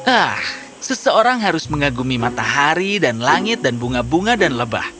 ah seseorang harus mengagumi matahari dan langit dan bunga bunga dan lebah